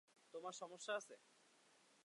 তোমার সমস্যা আছে?